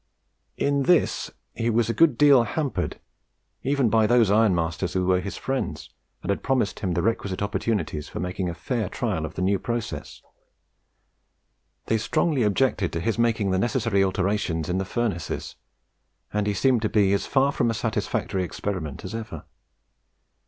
In this he was a good deal hampered even by those ironmasters who were his friends, and had promised him the requisite opportunities for making a fair trial of the new process. They strongly objected to his making the necessary alterations in the furnaces, and he seemed to be as far from a satisfactory experiment as ever.